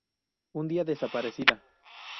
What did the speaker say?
Un día desaparecida.